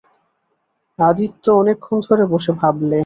আদিত্য অনেকক্ষণ ধরে বসে ভাবলে।